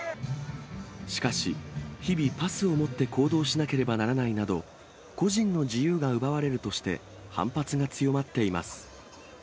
しかし、日々パスを持って行動しなければならないなど、個人の自由が奪われるとして、反発が強まっています。